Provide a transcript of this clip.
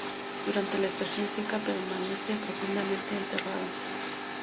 Durante la estación seca permanece profundamente enterrado.